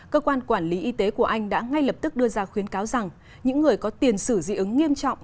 cơ quan quản lý y tế của anh đã ngay lập tức đưa ra khuyến cáo rằng những người có tiền sử dị ứng nghiêm trọng